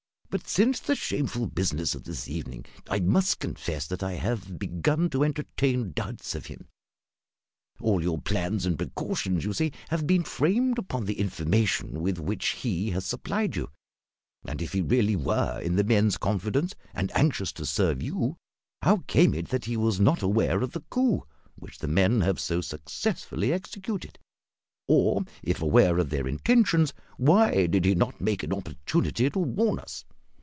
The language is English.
But since the shameful business of this evening I must confess that I have begun to entertain doubts of him. All your plans and precautions, you see, have been framed upon the information with which he has supplied you; and if he really were in the men's confidence, and anxious to serve you, how came it that he was not aware of the coup which the men have so successfully executed, or, if aware of their intentions, why did he not make an opportunity to warn us?